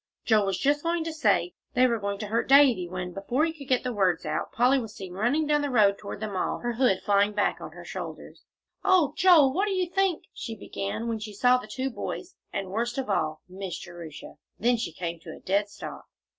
Joel was just going to say, "They were going to hurt Davie," when, before he could get the words out, Polly was seen running down the road toward them all, her hood flying back on her shoulders. "Oh, Joel, what do you think " she began, when she saw the two boys, and, worst of all, Miss Jerusha; then she came to a dead stop.